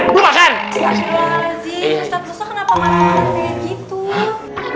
ustadz ustadz ustadz kenapa marah marah saya gitu